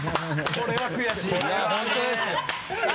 これは悔しいな。